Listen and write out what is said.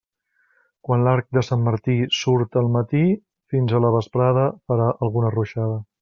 Quan l'arc de Sant Martí surt al matí, fins a la vesprada farà alguna ruixada.